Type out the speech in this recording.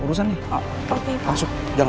urusan ya oke masuk jangan